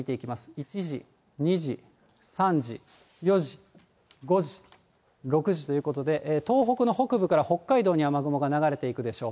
１時、２時、３時、４時、５時、６時ということで、東北の北部から北海道に雨雲が流れていくでしょう。